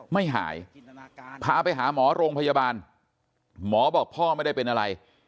ไม่หายพาไปหาหมอโรงพยาบาลหมอบอกพ่อไม่ได้เป็นอะไร